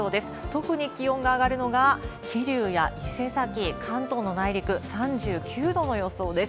特に気温が上がるのが、桐生や伊勢崎、関東の内陸、３９度の予想です。